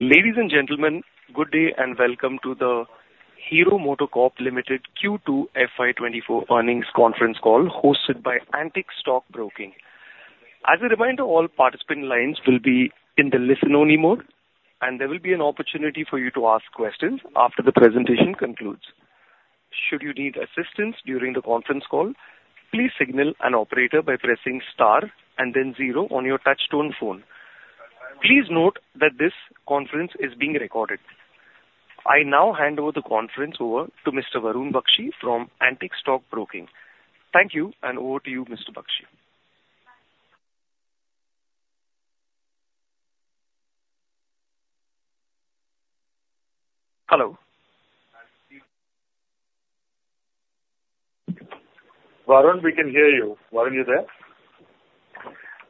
Ladies and gentlemen, good day, and welcome to the Hero MotoCorp Limited Q2 FY24 earnings conference call, hosted by Antique Stock Broking. As a reminder, all participant lines will be in the listen-only mode, and there will be an opportunity for you to ask questions after the presentation concludes. Should you need assistance during the conference call, please signal an operator by pressing star and then zero on your touchtone phone. Please note that this conference is being recorded. I now hand over the conference over to Mr. Varun Baxi from Antique Stock Broking. Thank you, and over to you, Mr. Baxi. Hello! Varun, we can hear you. Varun, you there?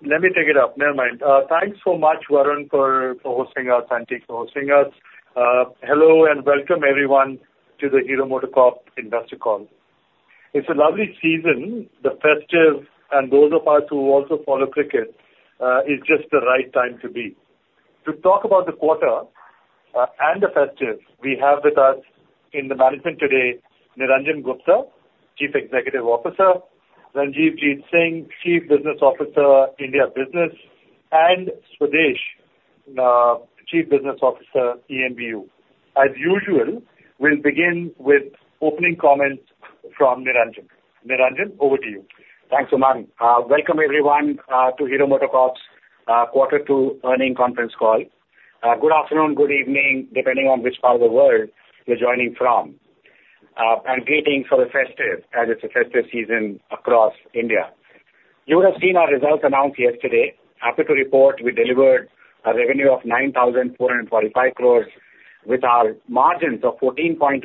Let me take it up. Never mind. Thanks so much, Varun, for hosting us, Antique, for hosting us. Hello, and welcome everyone to the Hero MotoCorp investor call. It's a lovely season, the festive, and those of us who also follow cricket, it's just the right time to be to talk about the quarter and the festive. We have with us in the management today, Niranjan Gupta, Chief Executive Officer, Ranjivjit Singh, Chief Business Officer, India Business, and Swadesh, Chief Business Officer, EMBU. As usual, we'll begin with opening comments from Niranjan. Niranjan, over to you. Thanks, Umang. Welcome everyone to Hero MotoCorp's quarter two earnings conference call. Good afternoon, good evening, depending on which part of the world you're joining from. And greetings for the festive, as it's a festive season across India. You would have seen our results announced yesterday. Happy to report, we delivered a revenue of 9,445 crores, with our margins of 14.1%,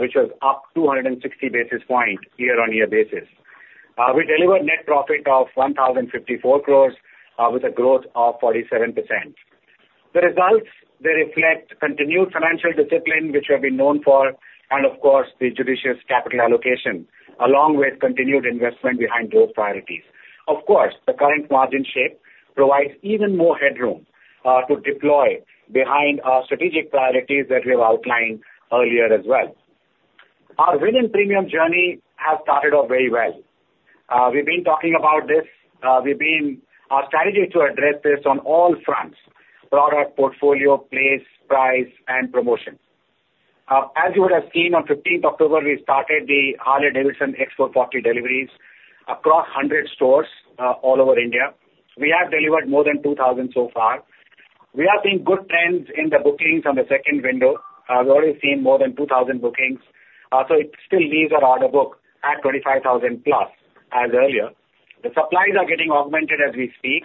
which was up 260 basis points year-on-year basis. We delivered net profit of 1,054 crores, with a growth of 47%. The results, they reflect continued financial discipline, which we have been known for, and of course, the judicious capital allocation, along with continued investment behind growth priorities. Of course, the current margin shape provides even more headroom to deploy behind our strategic priorities that we have outlined earlier as well. Our win and premium journey has started off very well. We've been talking about this. Our strategy to address this on all fronts, product, portfolio, place, price, and promotion. As you would have seen on 15th October, we started the Harley-Davidson X440 deliveries across 100 stores all over India. We have delivered more than 2,000 so far. We have seen good trends in the bookings on the second window. We've already seen more than 2,000 bookings, so it still leaves our order book at 25,000 plus as earlier. The supplies are getting augmented as we speak.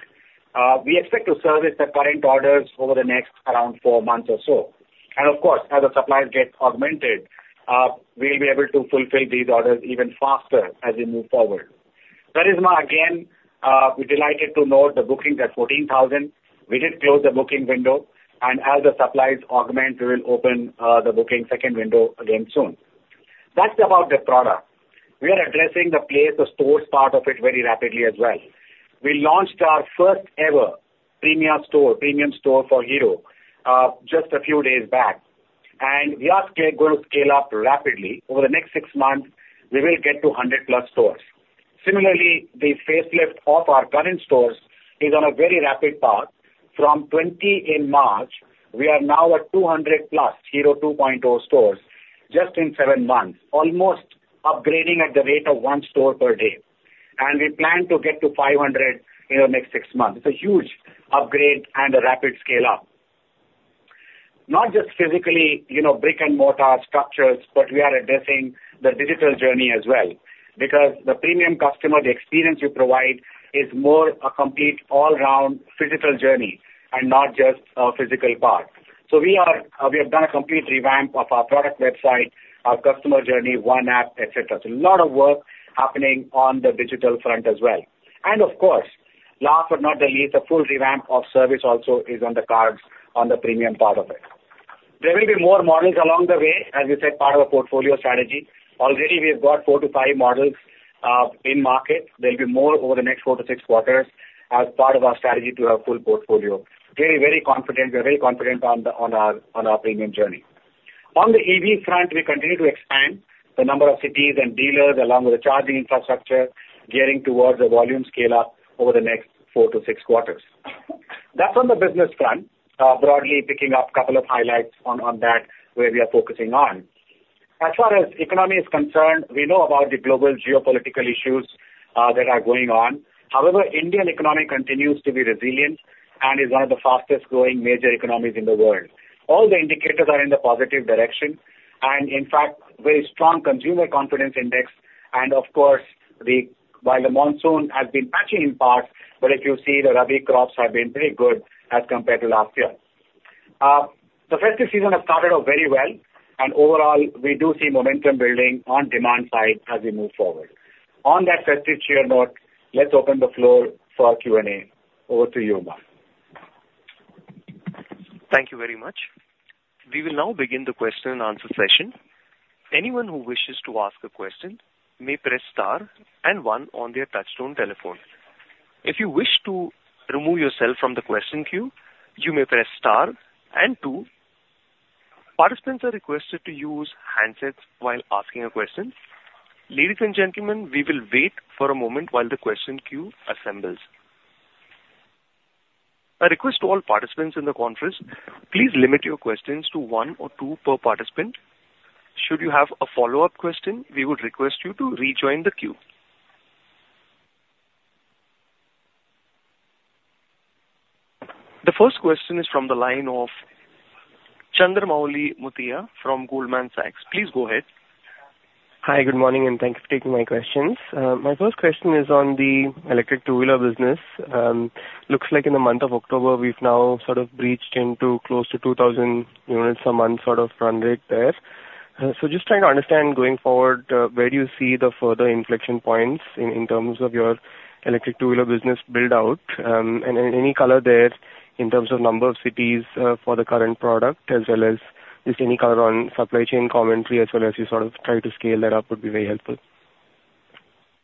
We expect to service the current orders over the next around four months or so. Of course, as the supplies get augmented, we'll be able to fulfill these orders even faster as we move forward. Karizma, again, we're delighted to note the bookings at 14,000. We did close the booking window, and as the supplies augment, we will open the booking second window again soon. That's about the product. We are addressing the place, the stores part of it very rapidly as well. We launched our first ever premium store, premium store for Hero, just a few days back, and we are scale, going to scale up rapidly. Over the next six months, we will get to 100+ stores. Similarly, the facelift of our current stores is on a very rapid path. From 20 in March, we are now at 200+ Hero 2.0 stores just in seven months, almost upgrading at the rate of 1 store per day. We plan to get to 500 in the next six months. It's a huge upgrade and a rapid scale up. Not just physically, you know, brick-and-mortar structures, but we are addressing the digital journey as well. Because the premium customer, the experience we provide is more a complete all-round physical journey and not just a physical part. So we are, we have done a complete revamp of our product website, our customer journey, one app, et cetera. So a lot of work happening on the digital front as well. And of course, last but not the least, a full revamp of service also is on the cards, on the premium part of it. There will be more models along the way, as we said, part of a portfolio strategy. Already we've got 4-5 models in market. There'll be more over the next 4-6 quarters as part of our strategy to have full portfolio. Very, very confident. We are very confident on our premium journey. On the EV front, we continue to expand the number of cities and dealers, along with the charging infrastructure, gearing towards a volume scale-up over the next 4-6 quarters. That's on the business front, broadly picking up a couple of highlights on that, where we are focusing on. As far as economy is concerned, we know about the global geopolitical issues that are going on. However, Indian economy continues to be resilient and is one of the fastest-growing major economies in the world. All the indicators are in the positive direction and in fact, very strong consumer confidence index. Of course, the while the monsoon has been patchy in parts, but if you see, the Rabi crops have been very good as compared to last year. The festive season has started off very well, and overall, we do see momentum building on demand side as we move forward. On that festive cheer note, let's open the floor for Q&A. Over to you, Umang. Thank you very much. We will now begin the question and answer session. Anyone who wishes to ask a question may press star and one on their touchtone telephone. If you wish to remove yourself from the question queue, you may press star and two. Participants are requested to use handsets while asking a question. Ladies and gentlemen, we will wait for a moment while the question queue assembles. I request all participants in the conference, please limit your questions to one or two per participant. Should you have a follow-up question, we would request you to rejoin the queue. The first question is from the line of Chandramouli Muthiah from Goldman Sachs. Please go ahead. Hi, good morning, and thanks for taking my questions. My first question is on the electric two-wheeler business. Looks like in the month of October, we've now sort of breached into close to 2,000 units a month, sort of run rate there. So just trying to understand, going forward, where do you see the further inflection points in, in terms of your electric two-wheeler business build out? And any, any color there in terms of number of cities, for the current product, as well as just any color on supply chain commentary, as well as you sort of try to scale that up, would be very helpful.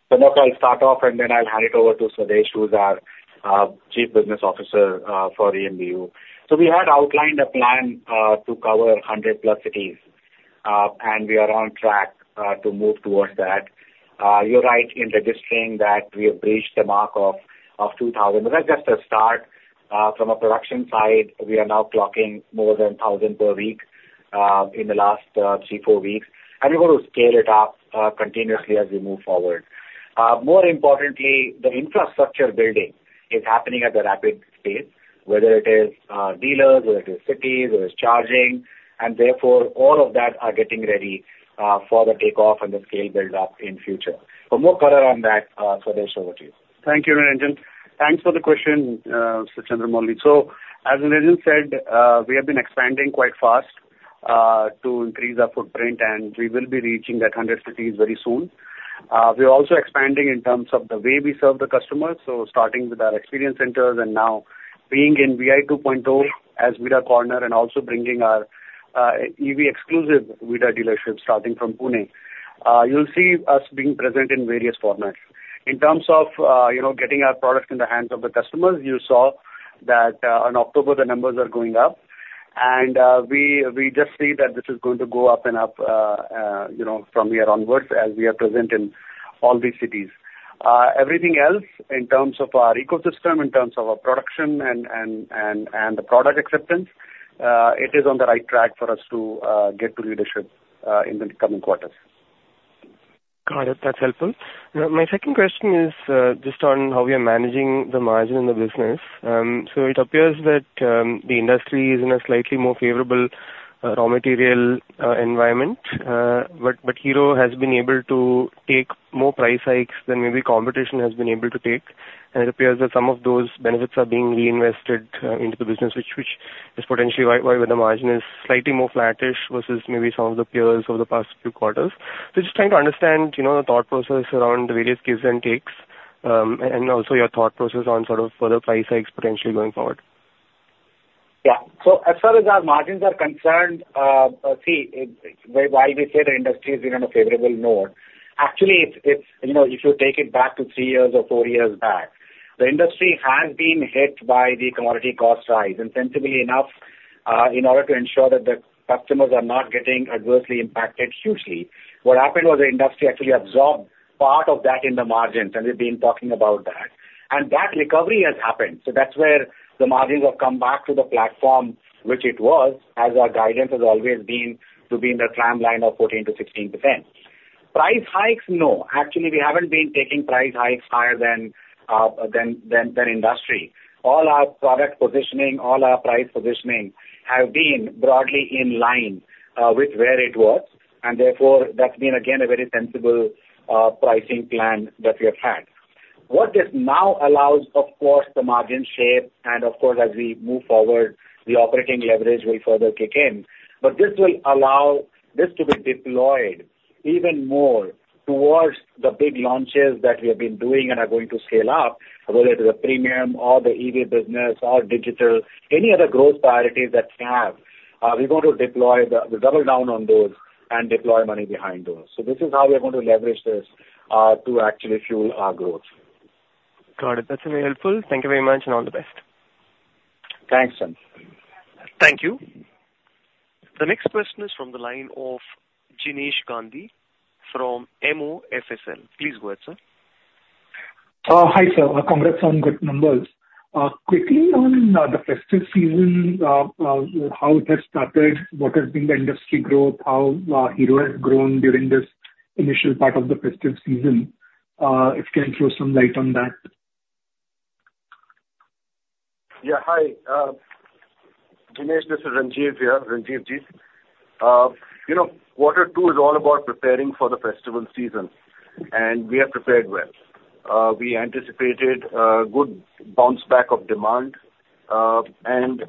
So look, I'll start off and then I'll hand it over to Swadesh, who's our Chief Business Officer for EMBU. We had outlined a plan to cover 100+ cities, and we are on track to move towards that. You're right in registering that we have breached the mark of 2,000. But that's just a start. From a production side, we are now clocking more than 1,000 per week in the last 3-4 weeks, and we're going to scale it up continuously as we move forward. More importantly, the infrastructure building is happening at a rapid pace, whether it is dealers, whether it is cities, whether it's charging, and therefore, all of that are getting ready for the takeoff and the scale build up in future. For more color on that, Swadesh, over to you. Thank you, Niranjan. Thanks for the question, Chandramouli. So, as Niranjan said, we have been expanding quite fast to increase our footprint, and we will be reaching 100 cities very soon. We are also expanding in terms of the way we serve the customers, so starting with our experience centers and now being in VIDA V1 as VIDA Corner, and also bringing our EV exclusive VIDA dealerships, starting from Pune. You'll see us being present in various formats. In terms of you know, getting our product in the hands of the customers, you saw that on October, the numbers are going up, and we just see that this is going to go up and up you know, from here onwards as we are present in all these cities. Everything else, in terms of our ecosystem, in terms of our production and the product acceptance, it is on the right track for us to get to leadership in the coming quarters. Got it. That's helpful. My second question is just on how we are managing the margin in the business. So it appears that the industry is in a slightly more favorable raw material environment, but Hero has been able to take more price hikes than maybe competition has been able to take. And it appears that some of those benefits are being reinvested into the business, which is potentially why the margin is slightly more flattish versus maybe some of the peers over the past few quarters. So just trying to understand, you know, the thought process around the various gives and takes, and also your thought process on sort of further price hikes potentially going forward. Yeah. So as far as our margins are concerned, see, why we say the industry is in a favorable mode, actually, it's, you know, if you take it back to 3 years or 4 years back, the industry has been hit by the commodity cost rise. And sensibly enough, in order to ensure that the customers are not getting adversely impacted hugely, what happened was the industry actually absorbed part of that in the margins, and we've been talking about that. And that recovery has happened. So that's where the margins have come back to the platform, which it was, as our guidance has always been, to be in the tramline of 14%-16%. Price hikes, no. Actually, we haven't been taking price hikes higher than industry. All our product positioning, all our price positioning, have been broadly in line with where it was, and therefore, that's been, again, a very sensible pricing plan that we have had. What this now allows, of course, the margin shape, and of course, as we move forward, the operating leverage will further kick in. But this will allow this to be deployed even more towards the big launches that we have been doing and are going to scale up, whether it is a premium or the EV business or digital, any other growth priorities that we have, we're going to deploy double down on those and deploy money behind those. So this is how we are going to leverage this to actually fuel our growth. Got it. That's very helpful. Thank you very much, and all the best. Thanks, Chand. Thank you. The next question is from the line of Jinesh Gandhi from MOFSL. Please go ahead, sir. Hi, sir. Congrats on good numbers. Quickly on the festive season, how it has started, what has been the industry growth, how Hero has grown during this initial part of the festive season? If you can throw some light on that. Yeah. Hi, Jinesh, this is Ranjiv here, Ranjivjit. You know, quarter two is all about preparing for the festival season, and we are prepared well. We anticipated a good bounce back of demand, and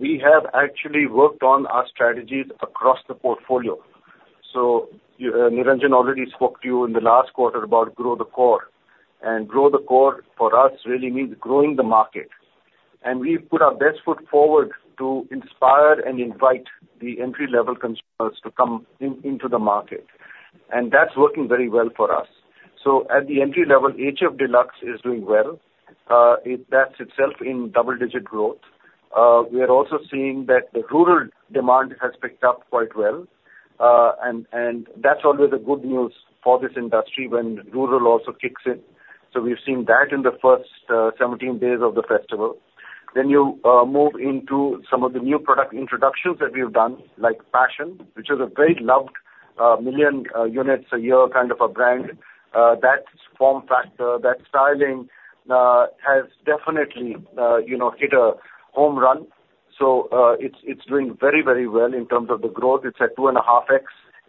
we have actually worked on our strategies across the portfolio. So, Niranjan already spoke to you in the last quarter about grow the core. And grow the core for us really means growing the market. And we've put our best foot forward to inspire and invite the entry level consumers to come in, into the market, and that's working very well for us. So at the entry level, HF Deluxe is doing well. It, that's itself in double digit growth. We are also seeing that the rural demand has picked up quite well, and that's always a good news for this industry when rural also kicks in. So we've seen that in the first 17 days of the festival. Then you move into some of the new product introductions that we have done, like Passion, which is a very loved million units a year kind of a brand. That form factor, that styling has definitely you know hit a home run. So it's doing very, very well in terms of the growth. It's at 2.5x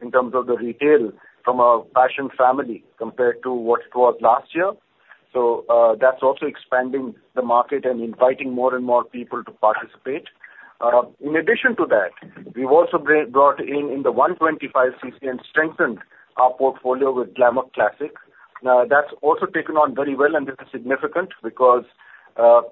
in terms of the retail from our Passion family, compared to what it was last year. So that's also expanding the market and inviting more and more people to participate. In addition to that, we've also brought in, in the 125 cc and strengthened our portfolio with Glamour Classic. That's also taken on very well, and this is significant because,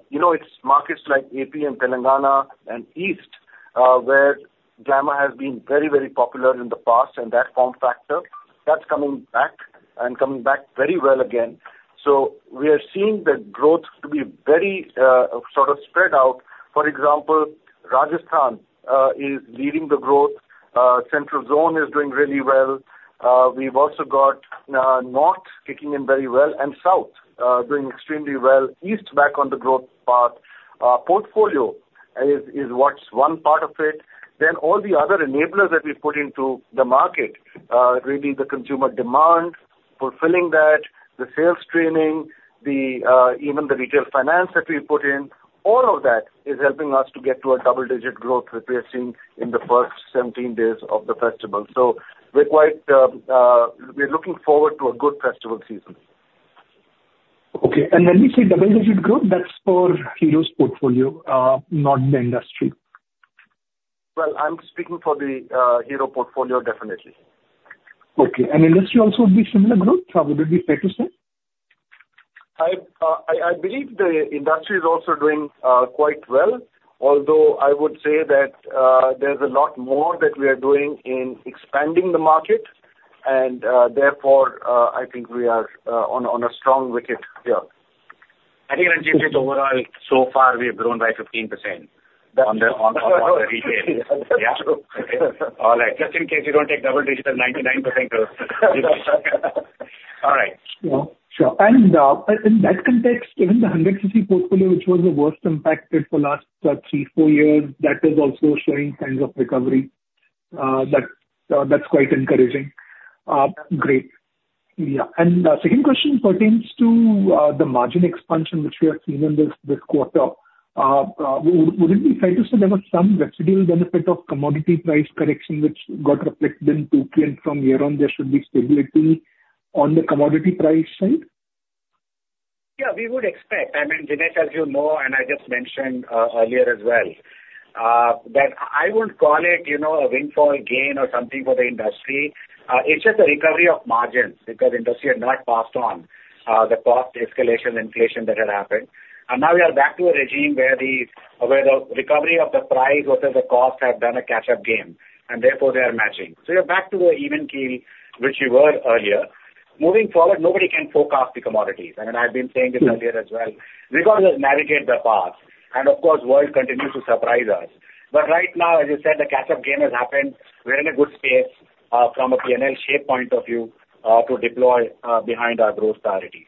you know, it's markets like AP and Telangana and East, where Glamour has been very, very popular in the past, and that form factor, that's coming back and coming back very well again. So we are seeing the growth to be very, sort of spread out. For example, Rajasthan is leading the growth. Central zone is doing really well. We've also got north kicking in very well and south doing extremely well. East, back on the growth path. Portfolio is what's one part of it. Then all the other enablers that we put into the market, really the consumer demand, fulfilling that, the sales training, the, even the retail finance that we put in, all of that is helping us to get to a double-digit growth that we are seeing in the first 17 days of the festival. So we're quite, we're looking forward to a good festival season. Okay. And when you say double-digit growth, that's for Hero's portfolio, not the industry? Well, I'm speaking for the Hero portfolio, definitely. Okay. And industry also would be similar growth, would it be fair to say? I believe the industry is also doing quite well, although I would say that there's a lot more that we are doing in expanding the market and therefore I think we are on a strong wicket here. I think in overall, so far we have grown by 15% on the retail. Yeah, true. All right, just in case you don't take double-digit as 99% growth. All right. Sure. And in that context, even the 100 cc portfolio, which was the worst impacted for last 3, 4 years, that is also showing signs of recovery. That that's quite encouraging. Great. Yeah. And the second question pertains to the margin expansion, which we have seen in this this quarter. Would it be fair to say there was some residual benefit of commodity price correction which got reflected in 2Q, and from here on, there should be stability on the commodity price side? Yeah, we would expect. I mean, Jinesh, as you know, and I just mentioned earlier as well, that I wouldn't call it, you know, a windfall gain or something for the industry. It's just a recovery of margins, because industry had not passed on the cost escalation, inflation that had happened. And now we are back to a regime where the recovery of the price versus the cost have done a catch-up game, and therefore they are matching. So we are back to the even keel, which we were earlier. Moving forward, nobody can forecast the commodities, and I've been saying this earlier as well. We've got to navigate the path. And of course, world continues to surprise us. But right now, as you said, the catch-up game has happened. We're in a good space, from a P&L shape point of view, to deploy behind our growth priorities.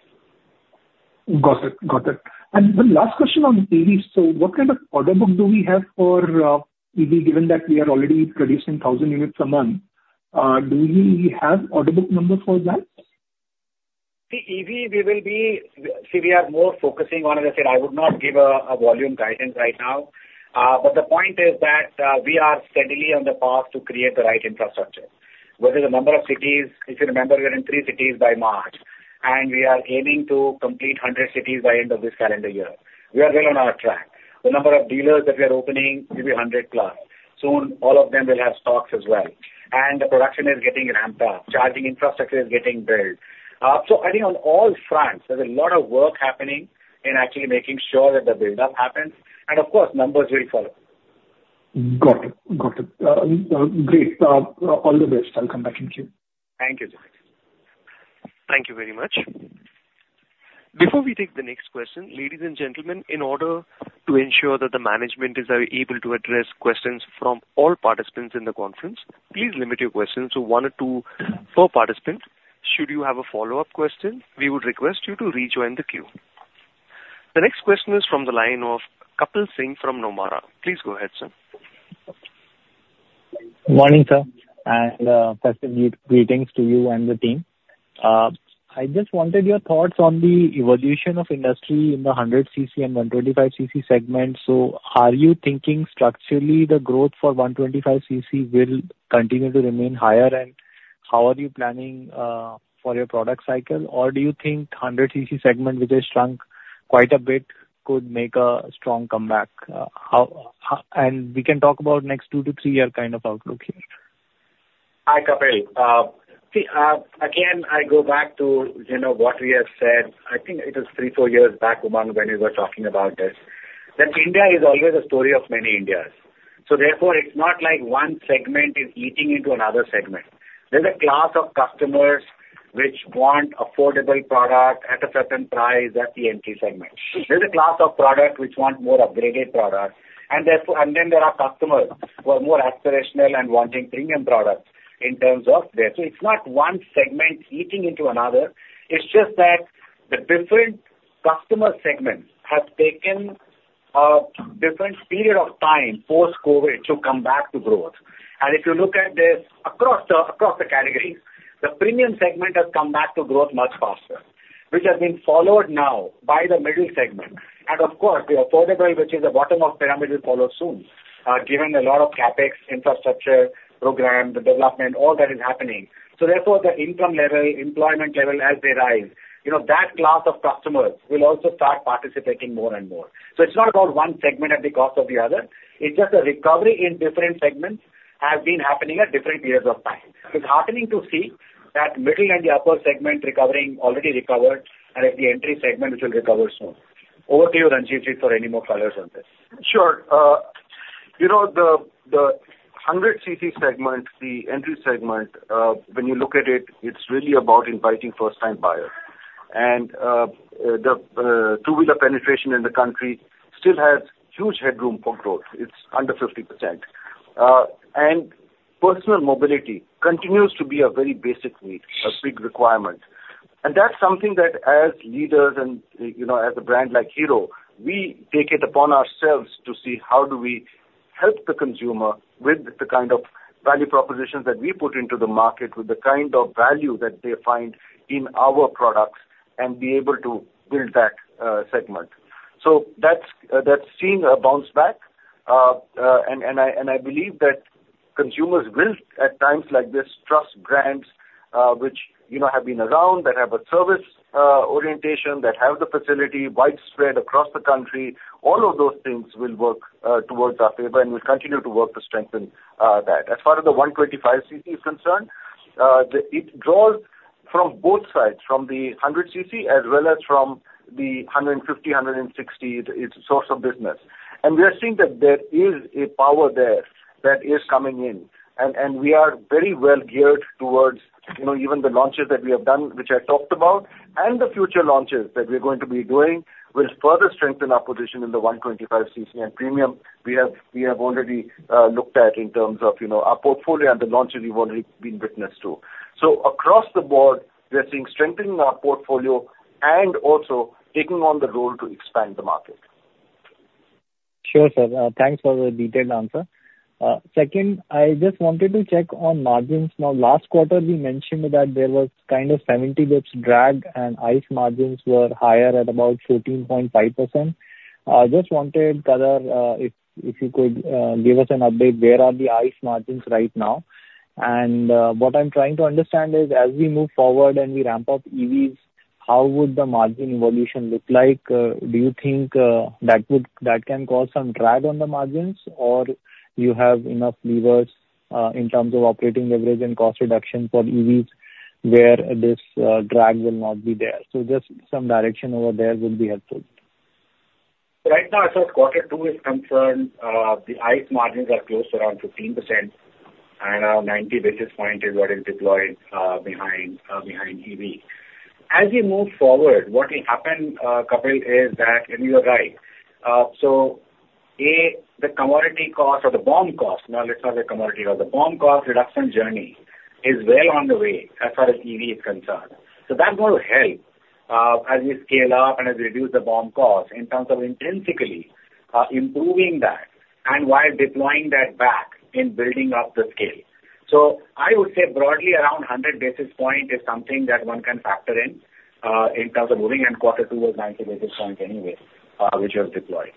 Got it. Got it. The last question on EV. So what kind of order book do we have for EV, given that we are already producing 1,000 units a month? Do we have order book number for that? The EV, we will be see, we are more focusing on, as I said, I would not give a, a volume guidance right now. But the point is that, we are steadily on the path to create the right infrastructure, whether the number of cities, if you remember, we are in 3 cities by March, and we are aiming to complete 100 cities by end of this calendar year. We are well on our track. The number of dealers that we are opening will be 100+. Soon, all of them will have stocks as well. And the production is getting ramped up, charging infrastructure is getting built. So I think on all fronts, there's a lot of work happening in actually making sure that the buildup happens, and of course, numbers will follow. Got it. Got it. Great. All the best. I'll come back in queue. Thank you. Thank you very much. Before we take the next question, ladies and gentlemen, in order to ensure that the management is able to address questions from all participants in the conference, please limit your questions to one or two per participant. Should you have a follow-up question, we would request you to rejoin the queue. The next question is from the line of Kapil Singh from Nomura. Please go ahead, sir. Morning, sir, and festive greetings to you and the team. I just wanted your thoughts on the evolution of industry in the 100 cc and 125 cc segment. So are you thinking structurally the growth for 125 cc will continue to remain higher? And how are you planning for your product cycle? Or do you think 100 cc segment, which has shrunk quite a bit, could make a strong comeback. How and we can talk about next 2-3 year kind of outlook here. Hi, Kapil. See, again, I go back to, you know, what we have said, I think it is 3-4 years back, Oman, when you were talking about this, that India is always a story of many Indias. So therefore, it's not like one segment is eating into another segment. There's a class of customers which want affordable product at a certain price, at the entry segment. There's a class of product which want more upgraded products, and therefore, and then there are customers who are more aspirational and wanting premium products in terms of this. So it's not one segment eating into another, it's just that the different customer segments have taken, a different period of time, post-COVID, to come back to growth. And if you look at this across the categories, the premium segment has come back to growth much faster, which has been followed now by the middle segment. And of course, the affordable, which is the bottom of the pyramid, will follow soon, given a lot of CapEx, infrastructure, program, the development, all that is happening. So therefore, the income level, employment level, as they rise, you know, that class of customers will also start participating more and more. So it's not about one segment at the cost of the other. It's just a recovery in different segments has been happening at different periods of time. It's heartening to see that the middle and the upper segment recovering, already recovered, and the entry segment, which will recover soon. Over to you, Ranjit, for any more colors on this. Sure. You know, the 100 cc segment, the entry segment, when you look at it, it's really about inviting first-time buyers. And the two-wheeler penetration in the country still has huge headroom for growth. It's under 50%. And personal mobility continues to be a very basic need, a big requirement. And that's something that as leaders and, you know, as a brand like Hero, we take it upon ourselves to see how do we help the consumer with the kind of value propositions that we put into the market, with the kind of value that they find in our products, and be able to build that segment. So that's seeing a bounce back. I believe that consumers will, at times like this, trust brands, which, you know, have been around, that have a service orientation, that have the facility widespread across the country. All of those things will work towards our favor, and will continue to work to strengthen that. As far as the 125 cc is concerned, it draws from both sides, from the 100 cc, as well as from the 150, 160, its source of business. And we are seeing that there is a power there that is coming in, and we are very well geared towards, you know, even the launches that we have done, which I talked about, and the future launches that we're going to be doing, will further strengthen our position in the 125 cc and premium. We have already looked at in terms of, you know, our portfolio and the launches you've already been witness to. So across the board, we are seeing strengthening our portfolio and also taking on the role to expand the market. Sure, sir. Thanks for the detailed answer. Second, I just wanted to check on margins. Now, last quarter we mentioned that there was kind of 70 basis points drag, and ICE margins were higher at about 13.5%. Just wanted, color, if you could give us an update, where are the ICE margins right now? What I'm trying to understand is, as we move forward and we ramp up EVs, how would the margin evolution look like? Do you think that can cause some drag on the margins, or you have enough levers in terms of operating leverage and cost reduction for EVs, where this drag will not be there? Just some direction over there would be helpful. Right now, as far as quarter two is concerned, the ICE margins are close to around 15%, and around 90 basis points is what is deployed behind EV. As we move forward, what will happen, Kapil, is that, and you are right, so A, the commodity cost or the BOM cost, now, let's talk the commodity cost. The BOM cost reduction journey is well on the way as far as EV is concerned. So that will help, as we scale up and as we reduce the BOM cost in terms of intrinsically improving that and while deploying that back in building up the scale. So I would say broadly, around 100 basis points is something that one can factor in in terms of moving, and quarter two was 90 basis points anyway, which was deployed.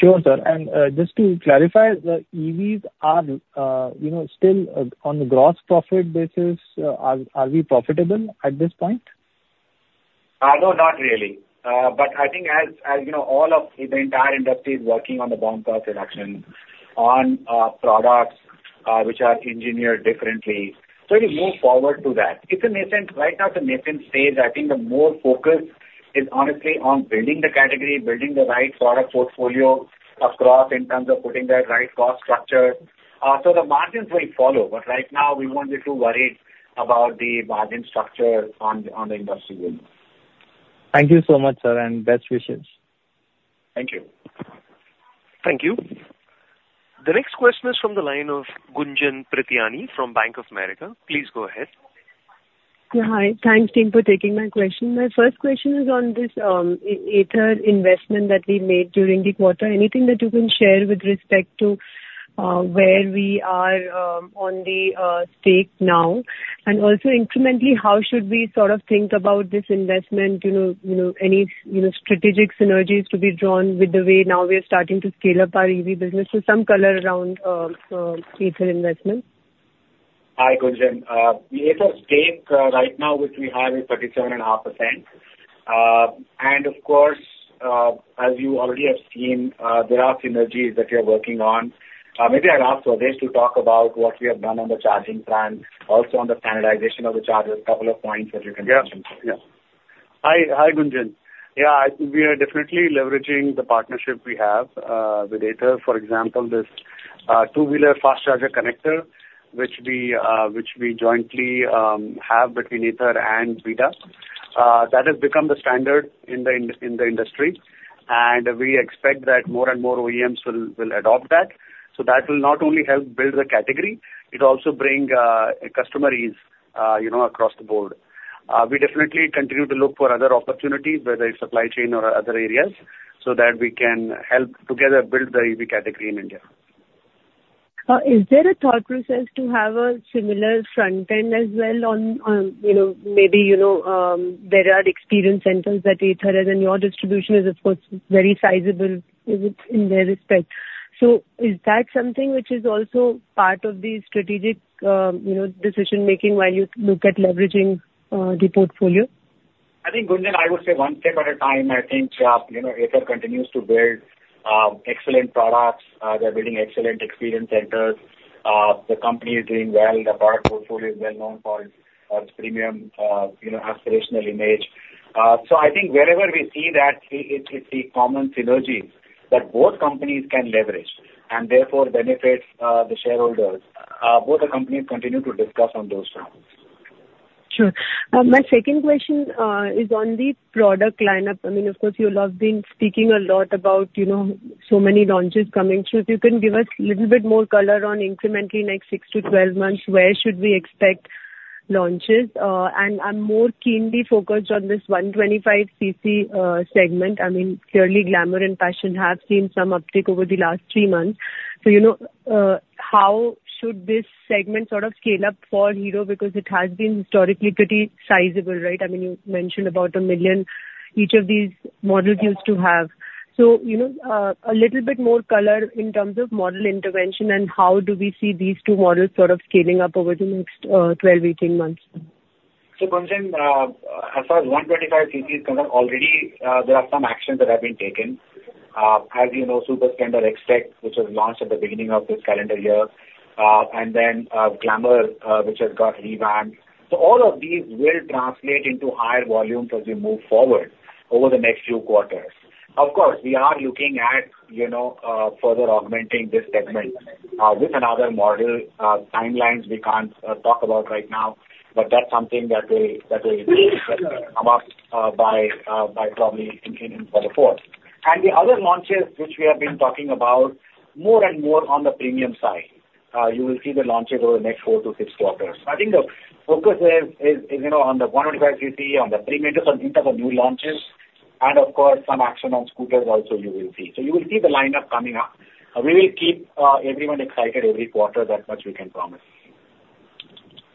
Sure, sir. And, just to clarify, the EVs are, you know, still, on the gross profit basis, are we profitable at this point? No, not really. But I think as, as you know, all of the entire industry is working on the BOM cost reduction on products, which are engineered differently. So we move forward to that. Right now, it's a nascent stage. I think the more focus is honestly on building the category, building the right product portfolio across, in terms of putting the right cost structure. So the margins will follow, but right now we won't be too worried about the margin structure on the, on the industry level. Thank you so much, sir, and best wishes. Thank you. Thank you. The next question is from the line of Gunjan Prithyani from Bank of America. Please go ahead. Yeah, hi. Thanks, team, for taking my question. My first question is on this Ather investment that we made during the quarter. Anything that you can share with respect to where we are on the stake now? And also incrementally, how should we sort of think about this investment, you know, you know, any, you know, strategic synergies to be drawn with the way now we are starting to scale up our EV business? So some color around Ather investment. Hi, Gunjan. The Ather stake, right now, which we have is 37.5%. And of course, as you already have seen, there are synergies that we are working on. Maybe I'll ask Swadesh to talk about what we have done on the charging plan, also on the standardization of the chargers, a couple of points that you can mention. Yeah. Yeah. Hi, hi, Gunjan. Yeah, I think we are definitely leveraging the partnership we have with Ather. For example, this two-wheeler fast charger connector, which we jointly have between Ather and Vida, that has become the standard in the industry, and we expect that more and more OEMs will adopt that. So that will not only help build the category, it also bring a customer ease, you know, across the board. We definitely continue to look for other opportunities, whether it's supply chain or other areas, so that we can help together build the EV category in India. Is there a thought process to have a similar front end as well on, on, you know, maybe, you know, there are experience centers that Ather has, and your distribution is, of course, very sizable in, in their respect. So is that something which is also part of the strategic, you know, decision making while you look at leveraging, the portfolio? I think, Gunjan, I would say one step at a time. I think, you know, Ather continues to build excellent products. They're building excellent experience centers. The company is doing well. The product portfolio is well known for its premium, you know, aspirational image. So I think wherever we see that we see common synergies that both companies can leverage, and therefore benefit the shareholders both the companies continue to discuss on those terms. Sure. My second question is on the product lineup. I mean, of course, you all have been speaking a lot about, you know, so many launches coming through. If you can give us a little bit more color on incrementally next 6-12 months, where should we expect launches? And I'm more keenly focused on this 125 cc segment. I mean, clearly, Glamour and Passion have seen some uptick over the last 3 months. So, you know, how should this segment sort of scale up for Hero? Because it has been historically pretty sizable, right? I mean, you mentioned about 1 million, each of these models used to have. So, you know, a little bit more color in terms of model intervention and how do we see these two models sort of scaling up over the next 12-18 months? So Gunjan, as far as 125 cc is concerned, already, there are some actions that have been taken. As you know, Super Splendor XTEC, which was launched at the beginning of this calendar year, and then, Glamour, which has got revamped. So all of these will translate into higher volumes as we move forward over the next few quarters. Of course, we are looking at, you know, further augmenting this segment, with another model. Timelines we can't talk about right now, but that's something that we come up by probably in quarter four. And the other launches, which we have been talking about more and more on the premium side, you will see the launches over the next four to six quarters. I think the focus is, you know, on the 125 cc, on the premium in terms of new launches, and of course, some action on scooters also you will see. So you will see the lineup coming up. We will keep everyone excited every quarter. That much we can promise.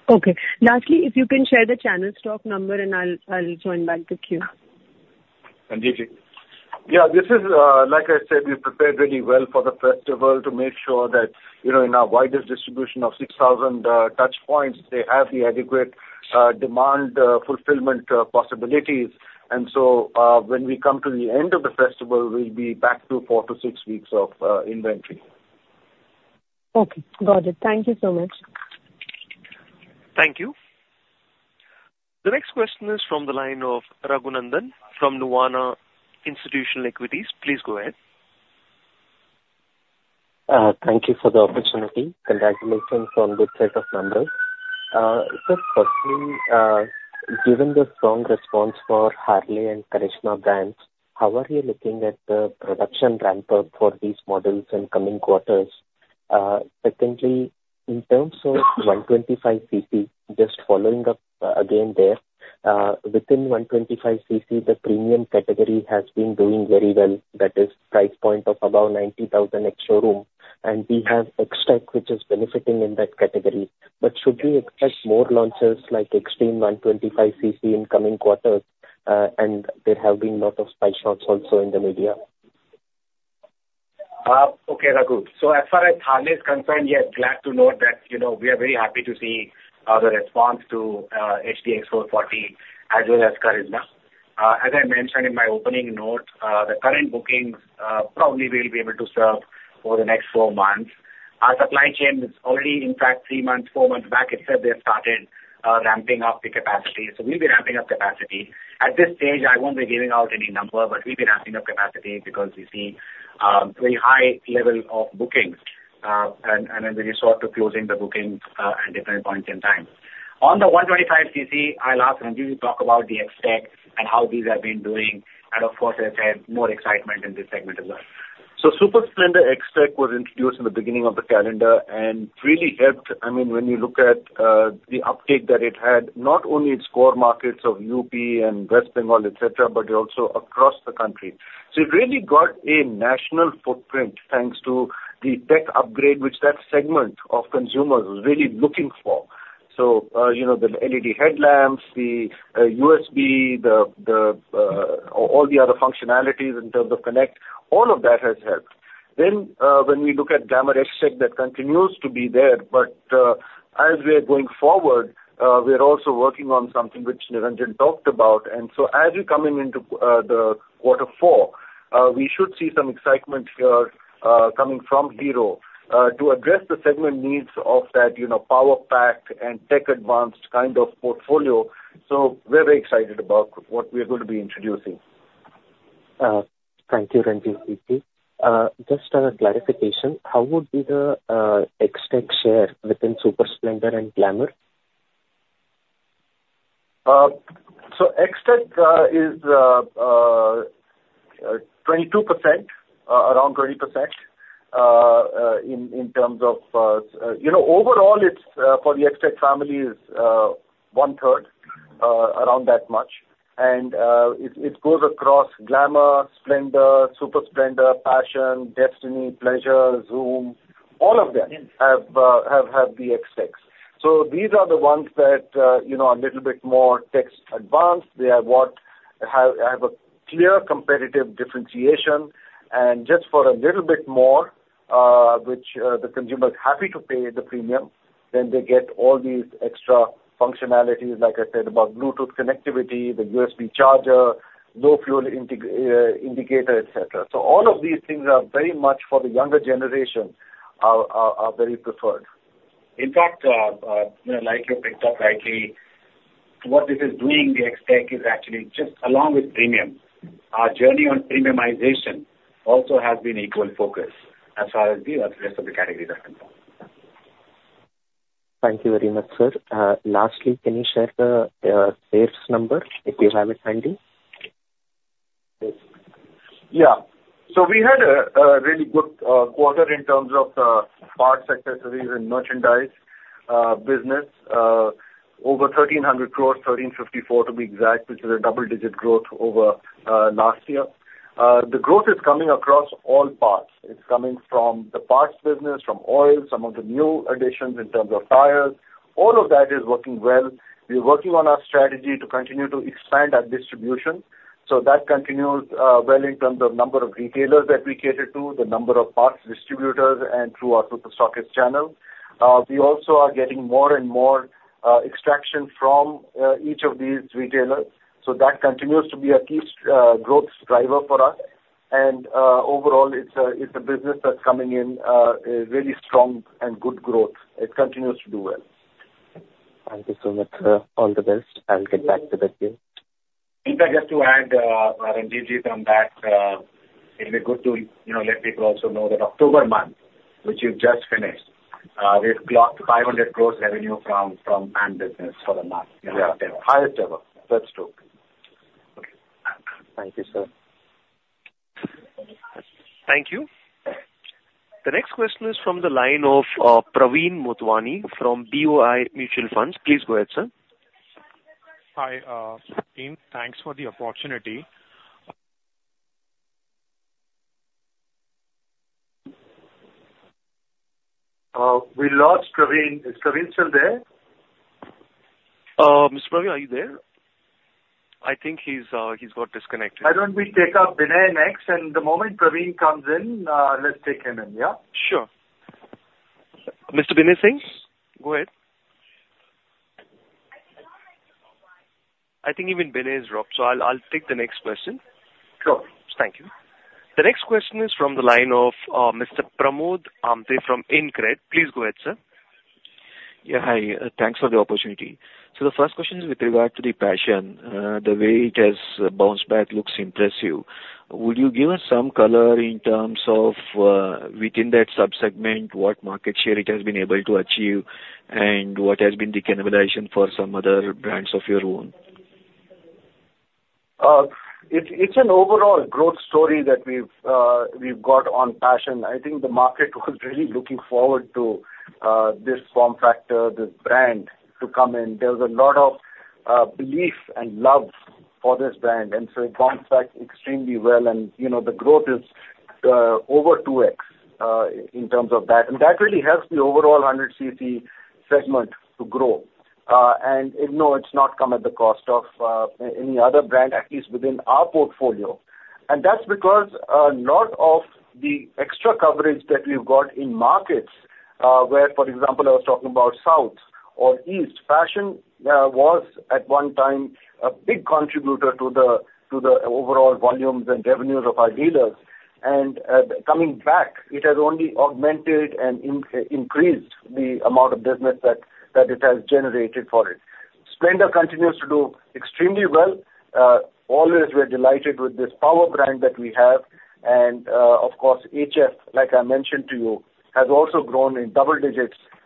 Okay. Lastly, if you can share the channel stock number, and I'll, I'll join back the queue. Ranjivjit? Yeah, this is, like I said, we've prepared really well for the festival to make sure that, you know, in our widest distribution of 6,000 touchpoints, they have the adequate demand fulfillment possibilities. And so, when we come to the end of the festival, we'll be back to 4 to 6 weeks of inventory. Okay, got it. Thank you so much. Thank you. The next question is from the line of Raghunandhan N.L. from Nuvama Institutional Equities. Please go ahead. Thank you for the opportunity. Congratulations on good set of numbers. So firstly, given the strong response for Harley and Karizma brands, how are you looking at the production ramp up for these models in coming quarters? Secondly, in terms of 125 cc, just following up again there, within 125 cc, the premium category has been doing very well. That is price point of above 90,000 ex-showroom, and we have XTEC, which is benefiting in that category. But should we expect more launches like Xtreme 125 cc in coming quarters? And there have been a lot of spy shots also in the media. Okay, Raghu. So as far as Harley is concerned, yes, glad to note that, you know, we are very happy to see the response to X440, as well as Karizma. As I mentioned in my opening note, the current bookings probably we'll be able to serve for the next four months. Our supply chain is already, in fact, three months, four months back, et cetera, they have started ramping up the capacity. So we'll be ramping up capacity. At this stage, I won't be giving out any number, but we'll be ramping up capacity because we see very high level of bookings, and, and then we resort to closing the bookings at different points in time. On the 125 cc, I'll ask Ranjivjit to talk about the XTEC and how these have been doing and of course, it has had more excitement in this segment as well. So Super Splendor XTEC was introduced in the beginning of the calendar and really helped. I mean, when you look at the uptake that it had, not only its core markets of UP and West Bengal, et cetera, et cetera, but also across the country. So it really got a national footprint thanks to the tech upgrade, which that segment of consumers was really looking for. So, you know, the LED headlamps, the USB, all the other functionalities in terms of connect, all of that has helped. Then, when we look at Glamour XTEC, that continues to be there, but, as we are going forward, we are also working on something which Niranjan talked about. And so as you're coming into the quarter four, we should see some excitement here, coming from Hero, to address the segment needs of that, you know, power pack and tech advanced kind of portfolio. So we're very excited about what we are going to be introducing. Thank you, Ranjivjit. Just a clarification: how would be the XTEC share within Super Splendor and Glamour? XTEC is 22%, around 20%, in terms of, you know, overall, it's for the XTEC family is one third, around that much. It goes across Glamour, Splendor, Super Splendor, Passion, Destini, Pleasure+, Xoom. All of them have the XTECs. These are the ones that, you know, are a little bit more tech advanced. They have a clear competitive differentiation. Just for a little bit more, which the consumer is happy to pay the premium, then they get all these extra functionalities, like I said, about Bluetooth connectivity, the USB charger, low fuel indicator, et cetera. All of these things are very much for the younger generation, are very preferred. In fact, you know, like you picked up rightly, what this is doing, the XTEC, is actually just along with premium. Our journey on premiumization also has been equal focus as far as the rest of the categories are concerned. Thank you very much, sir. Lastly, can you share the sales number, if you have it handy? Yes. So we had a really good quarter in terms of parts, accessories and merchandise business over 1,300 crores, 1,354 to be exact, which is a double-digit growth over last year. The growth is coming across all parts. It's coming from the parts business, from oil, some of the new additions in terms of tires. All of that is working well. We are working on our strategy to continue to expand our distribution. So that continues well in terms of number of retailers that we cater to, the number of parts distributors and through our super stockist channel. We also are getting more and more extraction from each of these retailers, so that continues to be a key growth driver for us. Overall, it's a, it's a business that's coming in, a really strong and good growth. It continues to do well. Thank you so much, sir. All the best. I'll get back to the queue. Deepak, just to add, Ranjivjit, from that, it'll be good to, you know, let people also know that October month, which you've just finished, we've clocked 500 crore revenue from PAM business for the month. Yeah, highest ever. That's true. Okay. Thank you, sir. Thank you. The next question is from the line of Praveen Motwani from BOI Mutual Fund. Please go ahead, sir. Hi, team. Thanks for the opportunity. We lost Praveen. Is Praveen still there? Mr. Praveen, are you there? I think he's got disconnected. Why don't we take up Binay next, and the moment Praveen comes in, let's take him in, yeah? Sure. Mr. Binay Singh, go ahead. I think even Binay is dropped, so I'll take the next question. Sure. Thank you. The next question is from the line of, Mr. Pramod Amthe from InCred Capital. Please go ahead, sir. Yeah, hi. Thanks for the opportunity. So the first question is with regard to the Passion. The way it has bounced back looks impressive. Would you give us some color in terms of, within that sub-segment, what market share it has been able to achieve, and what has been the cannibalization for some other brands of your own? It's an overall growth story that we've got on Passion. I think the market was really looking forward to this form factor, this brand, to come in. There was a lot of belief and love for this brand, and so it bounced back extremely well. You know, the growth is over 2x in terms of that. And that really helps the overall 100 cc segment to grow. No, it's not come at the cost of any other brand, at least within our portfolio. And that's because lot of the extra coverage that we've got in markets, where, for example, I was talking about South or East, Passion was at one time a big contributor to the overall volumes and revenues of our dealers. Coming back, it has only augmented and increased the amount of business that, that it has generated for it. Splendor continues to do extremely well. Always we're delighted with this power brand that we have. Of course, HF, like I mentioned to you, has also grown in double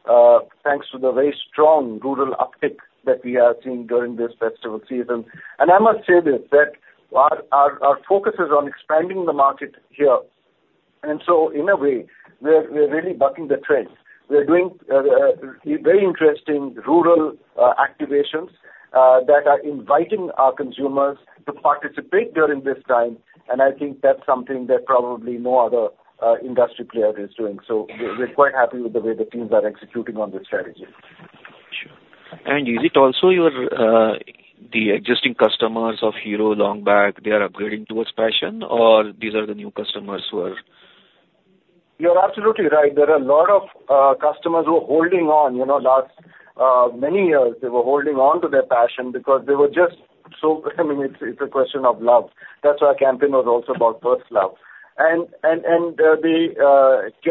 digits, thanks to the very strong rural uptick that we have seen during this festival season. I must say this, that our, our, our focus is on expanding the market here. In a way, we're, we're really bucking the trends. We are doing very interesting rural activations that are inviting our consumers to participate during this time. I think that's something that probably no other industry player is doing. We're quite happy with the way the teams are executing on this strategy. It is also your, the existing customers of Hero long back, they are upgrading towards Passion, or these are the new customers who are? You're absolutely right. There are a lot of customers who are holding on, you know, last many years, they were holding on to their Passion because they were just so, I mean, it's a question of love. That's why our campaign was also about first love. And they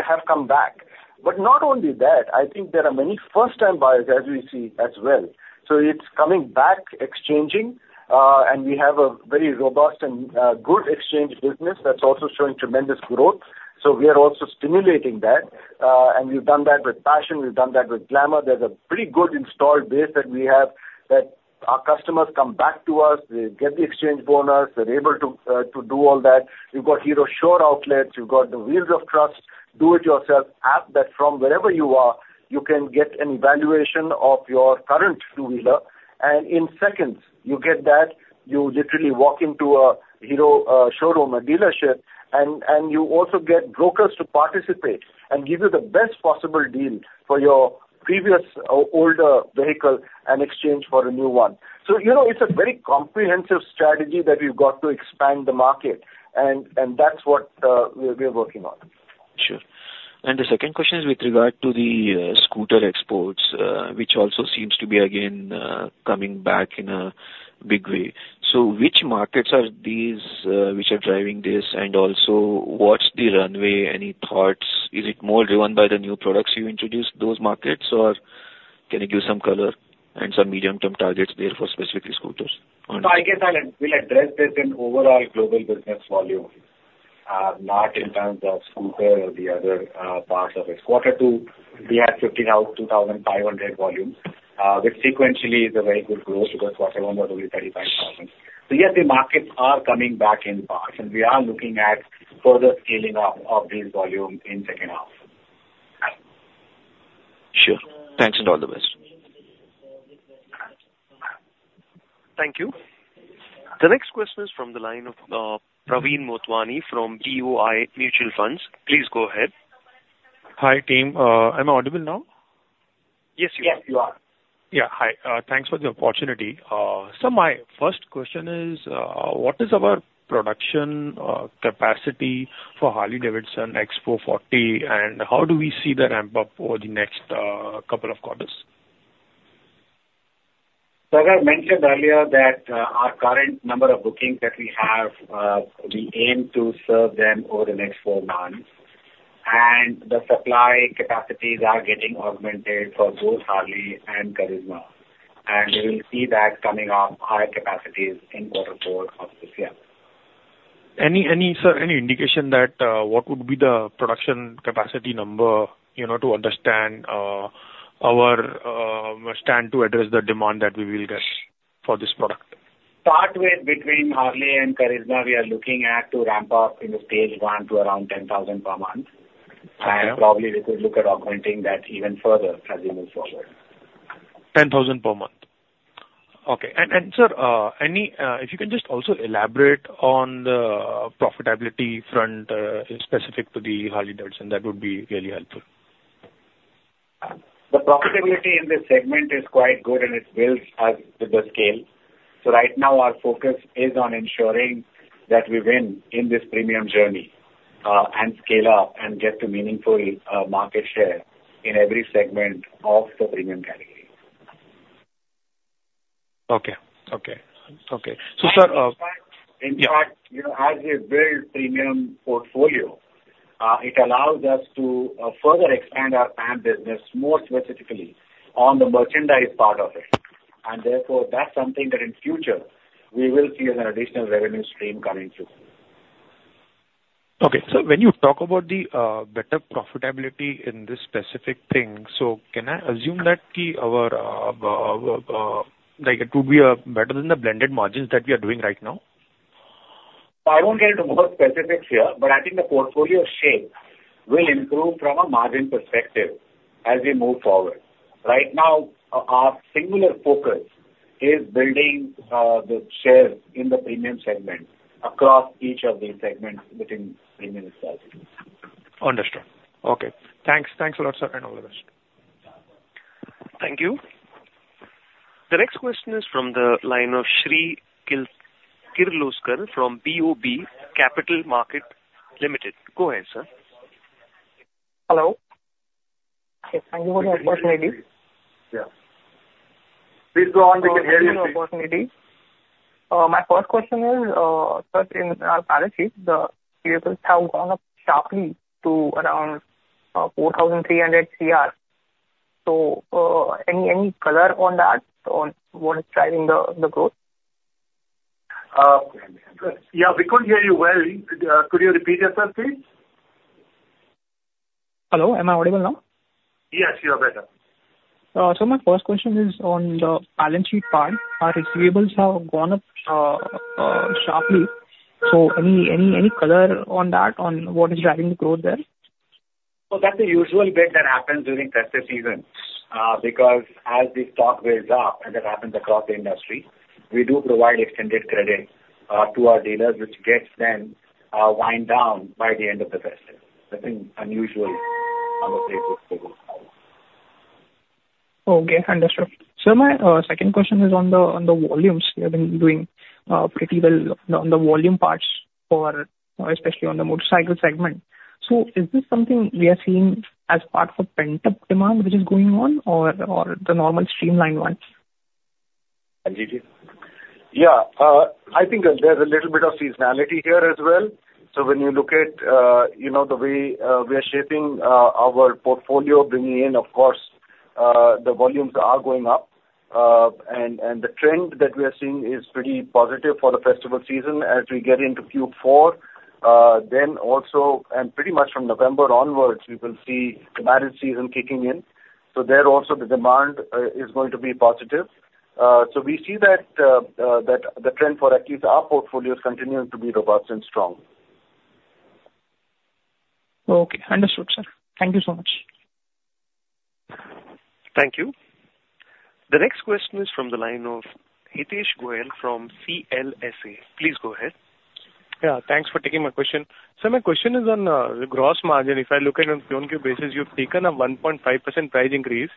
have come back. But not only that, I think there are many first-time buyers, as we see, as well. So it's coming back, exchanging, and we have a very robust and good exchange business that's also showing tremendous growth, so we are also stimulating that. And we've done that with Passion. We've done that with Glamour. There's a pretty good installed base that we have, that our customers come back to us, they get the exchange bonus, they're able to to do all that. We've got Hero Sure outlets, you've got the Wheels of Trust do-it-yourself app, that from wherever you are, you can get an evaluation of your current two-wheeler, and in seconds you get that. You literally walk into a Hero showroom, a dealership, and you also get brokers to participate and give you the best possible deal for your previous or older vehicle and exchange for a new one. So, you know, it's a very comprehensive strategy that we've got to expand the market, and that's what we're working on. Sure. And the second question is with regard to the scooter exports, which also seems to be again coming back in a big way. So which markets are these, which are driving this? And also, what's the runway? Any thoughts? Is it more driven by the new products you introduced those markets, or can you give some color and some medium-term targets there for specifically scooters? No, I guess I'll, we'll address this in overall global business volume, not in terms of scooter or the other, parts of it. Quarter two, we had 15,250 volumes, which sequentially is a very good growth because quarter one was only 35,000. So yes, the markets are coming back in parts, and we are looking at further scaling up of this volume in second half. Sure. Thanks, and all the best. Thank you. The next question is from the line of Praveen Motwani from BOI Mutual Fund. Please go ahead. Hi, team. Am I audible now? Yes, you are. Yeah. Hi, thanks for the opportunity. So my first question is: What is our production capacity for Harley-Davidson X440, and how do we see the ramp up over the next couple of quarters? So I mentioned earlier that, our current number of bookings that we have, we aim to serve them over the next four months, and the supply capacities are getting augmented for both Harley and Karizma. We will see that coming on higher capacities in quarter four of this year. Any, sir, any indication that what would be the production capacity number, you know, to understand our stand to address the demand that we will get for this product? Partway between Harley and Karizma, we are looking at to ramp up in the stage one to around 10,000 per month. Okay. Probably we could look at augmenting that even further as we move forward. 10,000 per month? Okay. And, and sir, any, if you can just also elaborate on the profitability front, specific to the Harley-Davidson, that would be really helpful. The profitability in this segment is quite good, and it builds up with the scale. So right now our focus is on ensuring that we win in this premium journey, and scale up and get a meaningful market share in every segment of the premium category. Okay. Okay. Okay. So, sir, In fact, you know, as we build premium portfolio, it allows us to, further expand our brand business more specifically on the merchandise part of it. And therefore, that's something that in future we will see as an additional revenue stream coming through. Okay. So when you talk about the better profitability in this specific thing, so can I assume that our like it would be better than the blended margins that we are doing right now? I won't get into more specifics here, but I think the portfolio shape will improve from a margin perspective as we move forward. Right now, our singular focus is building the shares in the premium segment across each of these segments within premium itself. Understood. Okay. Thanks. Thanks a lot, sir, and all the best. Thank you. The next question is from the line of Shree Kirloskar from BOB Capital Markets Limited. Go ahead, sir. Hello. Thank you for the opportunity. Yeah. Please go on- For the opportunity. My first question is, first, in our balance sheet, the vehicles have gone up sharply to around 4,300 Crores. So, any color on that, on what is driving the growth? Yeah, we couldn't hear you well. Could you repeat yourself, please? Hello, am I audible now? Yes, you are better. So my first question is on the balance sheet part. Our receivables have gone up sharply. So any color on that, on what is driving the growth there? So that's the usual bit that happens during festive season, because as the stock builds up, and that happens across the industry, we do provide extended credit to our dealers, which gets them wind down by the end of the festive.... I think unusual, I'm afraid to say. Okay, understood. Sir, my second question is on the volumes. You have been doing pretty well on the volume parts for, especially on the motorcycle segment. So is this something we are seeing as part of a pent-up demand which is going on or the normal streamlined ones? Ranjivjit? Yeah, I think there's a little bit of seasonality here as well. So when you look at, you know, the way we are shaping our portfolio, bringing in, of course, the volumes are going up. And the trend that we are seeing is pretty positive for the festival season. As we get into Q4, then also, and pretty much from November onwards, we will see the marriage season kicking in. So there also the demand is going to be positive. So we see that that the trend for at least our portfolio is continuing to be robust and strong. Okay, understood, sir. Thank you so much. Thank you. The next question is from the line of Hitesh Goel from CLSA. Please go ahead. Yeah, thanks for taking my question. Sir, my question is on the gross margin. If I look at on Q-on-Q basis, you've taken a 1.5% price increase,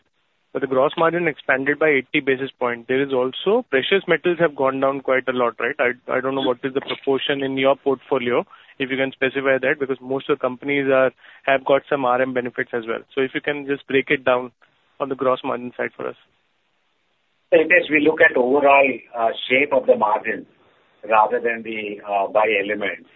but the gross margin expanded by 80 basis points. There is also, precious metals have gone down quite a lot, right? I, I don't know what is the proportion in your portfolio, if you can specify that, because most of the companies are-- have got some RM benefits as well. So if you can just break it down on the gross margin side for us. Hitesh, we look at overall shape of the margin rather than the by elements.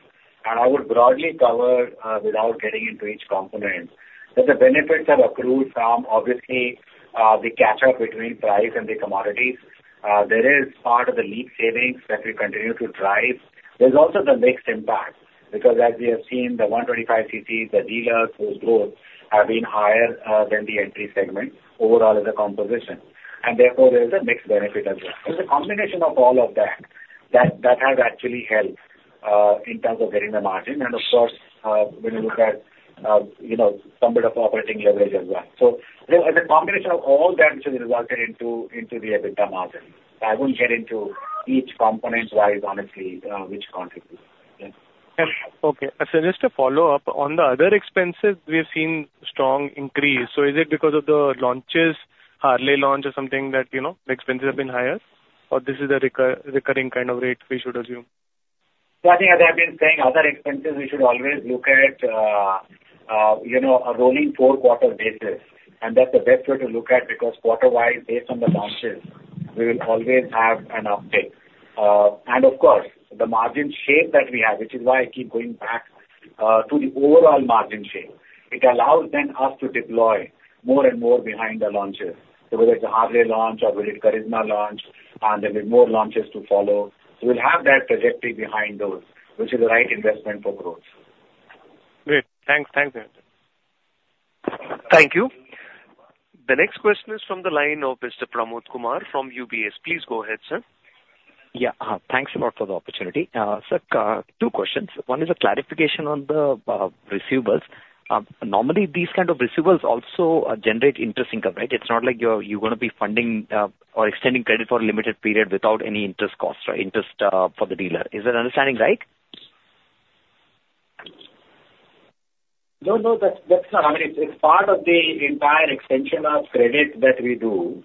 And I would broadly cover without getting into each component, that the benefits are accrued from, obviously, the catch up between price and the commodities. There is part of the leap savings that we continue to drive. There's also the mixed impact, because as we have seen, the 125 cc, the dealers, those growth have been higher than the entry segment overall as a composition, and therefore, there is a mixed benefit as well. It's a combination of all of that, that, that has actually helped in terms of getting the margin. And of course, when you look at you know, some bit of operating leverage as well. So the, the combination of all that which has resulted into, into the EBITDA margin. I won't get into each component wise, honestly, which contributed. Yes. Okay. So just a follow-up. On the other expenses, we have seen strong increase. So is it because of the launches, Harley launch or something, that, you know, the expenses have been higher, or this is a recurring kind of rate we should assume? So I think, as I've been saying, other expenses, we should always look at, you know, a rolling four-quarter basis, and that's the best way to look at, because quarter-wise, based on the launches, we will always have an uptick. And of course, the margin shape that we have, which is why I keep going back, to the overall margin shape, it allows then us to deploy more and more behind the launches, whether it's a Harley launch or whether it's Karizma launch, and there'll be more launches to follow. So we'll have that trajectory behind those, which is the right investment for growth. Great. Thanks. Thanks, Niranjan. Thank you. The next question is from the line of Mr. Pramod Kumar from UBS. Please go ahead, sir. Yeah, thanks a lot for the opportunity. Sir, two questions. One is a clarification on the receivables. Normally, these kind of receivables also generate interest income, right? It's not like you're gonna be funding or extending credit for a limited period without any interest costs or interest for the dealer. Is that understanding right? No, no, that's not. I mean, it's part of the entire extension of credit that we do,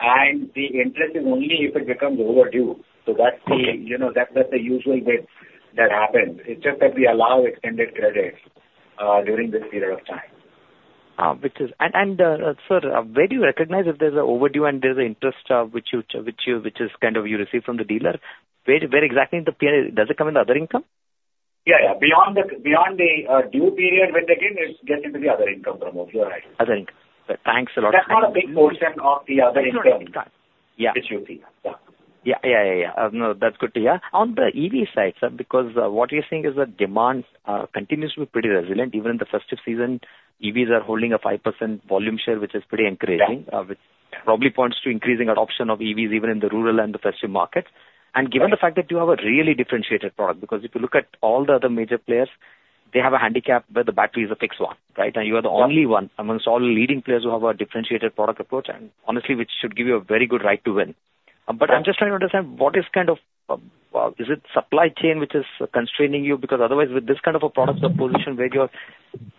and the interest is only if it becomes overdue. So that's the, you know, that's the usual way that happens. It's just that we allow extended credit during this period of time. Which is and, sir, where do you recognize if there's an overdue and there's an interest, which you, which you, which is kind of you receive from the dealer? Where exactly in the period, does it come in the other income? Yeah, yeah. Beyond the due period, which again, it gets into the other income, Pramod, you are right. Other income. Thanks a lot. That's not a big portion of the other income- It's not income. Yeah. Which you see. Yeah. Yeah, yeah, yeah. No, that's good to hear. On the EV side, sir, because what you're seeing is that demand continues to be pretty resilient. Even in the festive season, EVs are holding a 5% volume share, which is pretty encouraging. Yeah. Which probably points to increasing adoption of EVs even in the rural and the festive markets. Right. Given the fact that you have a really differentiated product, because if you look at all the other major players, they have a handicap, where the battery is a fixed one, right? Yeah. You are the only one among all the leading players who have a differentiated product approach, and honestly, which should give you a very good right to win. Yeah. But I'm just trying to understand, what is kind of, is it supply chain which is constraining you? Because otherwise, with this kind of a product, the position where you are